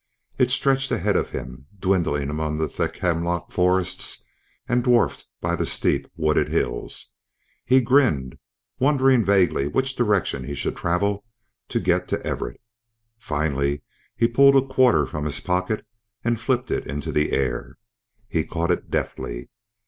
It stretched ahead of him, dwindling among the thick hemlock forests and dwarfed by the steep, wooded hills. He grinned, wondering vaguely which direction he should travel to get to Everett. Finally he pulled a quarter from his pocket and flipped it into the air. He caught it deftly.